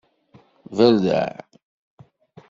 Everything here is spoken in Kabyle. Berdeɛ.